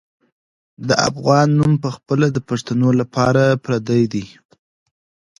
د افغان نوم پخپله د پښتنو لپاره پردی دی.